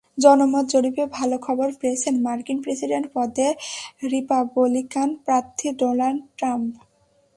জনমত জরিপে ভালো খবর পেয়েছেন মার্কিন প্রেসিডেন্ট পদে রিপাবলিকান প্রার্থী ডোনাল্ড ট্রাম্প।